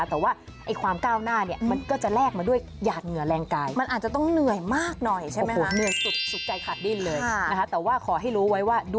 แต่ว่าความก้าวหน้าเนี่ยมันก็จะแลกมาด้วยหยาดเหงื่อแรงกาย